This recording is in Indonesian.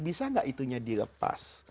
bisa gak itunya dilepas